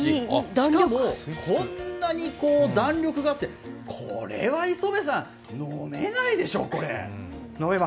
しかも、こんなに弾力があって、これは磯部さん、飲めないでしょ、これ。